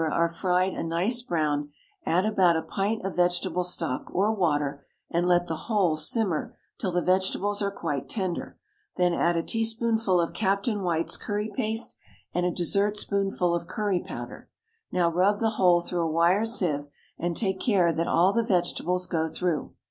are fried a nice brown, add about a pint of vegetable stock or water and let the whole simmer till the vegetables are quite tender, then add a tea spoonful of Captain White's curry paste and a dessertspoonful of curry powder; now rub the whole through a wire sieve, and take care that all the vegetables go through.